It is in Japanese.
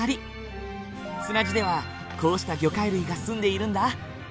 砂地ではこうした魚介類が住んでいるんだ。